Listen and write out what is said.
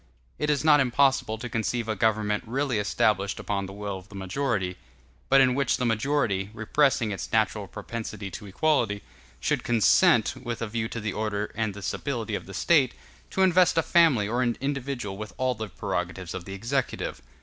It is not impossible to conceive a government really established upon the will of the majority; but in which the majority, repressing its natural propensity to equality, should consent, with a view to the order and the stability of the State, to invest a family or an individual with all the prerogatives of the executive.